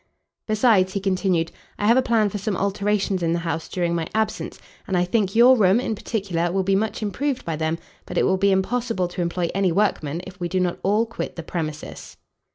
"Besides," he continued, "I have a plan for some alterations in the house during my absence; and I think your room, in particular, will be much improved by them: but it will be impossible to employ any workmen, if we do not all quit the premises."